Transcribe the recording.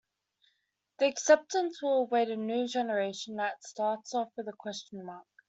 The acceptance will await a new generation that starts off with a question mark.